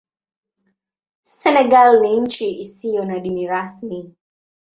Senegal ni nchi isiyo na dini rasmi.